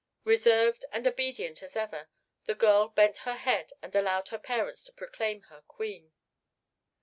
Reserved and obedient as ever, the girl bent her head and allowed her parents to proclaim her Queen.